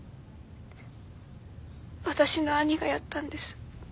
私の兄がやったんです